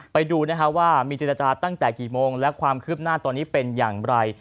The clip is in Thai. ไปดูว่ามีเจรจาตั้งแต่กี่โมงและความคืบหน้าตอนนี้เป็นอย่างไร